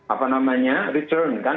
apa namanya return kan